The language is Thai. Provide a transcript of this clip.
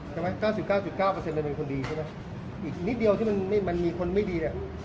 ใช่ไหม๙๙เป็นคนดีใช่ไหมอีกนิดเดียวที่มันนี่มันมีคนไม่ดีเนี่ย